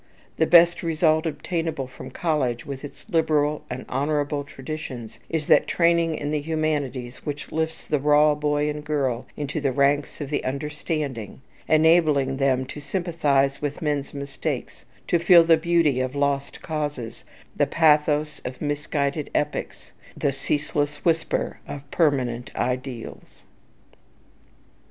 The best result obtainable from college, with its liberal and honourable traditions, is that training in the humanities which lifts the raw boy and girl into the ranks of the understanding; enabling them to sympathize with men's mistakes, to feel the beauty of lost causes, the pathos of misguided epochs, "the ceaseless whisper of permanent ideals."